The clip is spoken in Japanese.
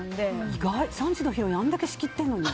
意外、３時のヒロインをあれだけ仕切ってるのに。